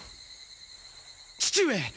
父上！